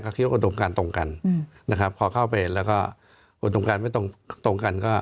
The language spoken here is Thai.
ก็คิดว่าอุดมการตรงกันพอเข้าไปแล้วก็อุดมการไม่ตรงกัน